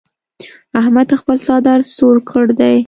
احمد خپل څادر سور کړ دی.